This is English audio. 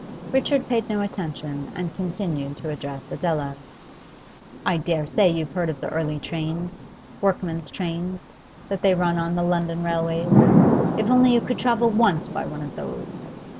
Richard paid no attention and continued to address Adela. 'I dare say you've heard of the early trains workmen's trains that they run on the London railways. If only you could travel once by one of those!